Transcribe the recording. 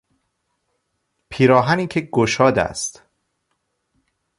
پیراهنی که گشاد است